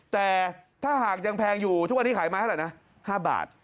แต่ถ้าหากยังแพงอยู่ทุกวันนี้ขายไม้ละนะ๕บาท